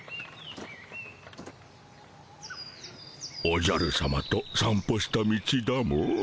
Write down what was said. おじゃるさまと散歩した道だモ。